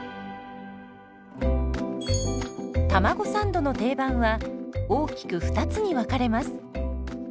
たまごサンドの定番は大きく２つに分かれます。